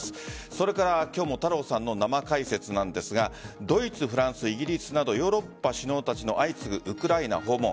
それから今日も太郎さんの生解説なんですがドイツ、フランス、イギリスなどヨーロッパ首脳たちの相次ぐウクライナ訪問。